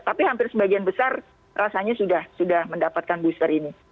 tapi hampir sebagian besar rasanya sudah mendapatkan booster ini